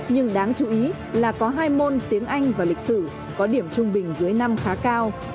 nhưng đáng chú ý là có hai môn tiếng anh và lịch sử có điểm trung bình dưới năm khá cao